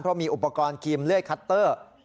เพราะมีอุปกรณ์ครีมเลื่อยคัตเตอร์